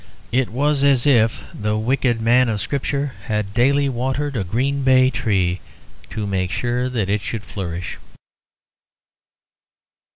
It was as if the wicked man of Scripture had daily watered a green bay tree, to make sure that it should flourish.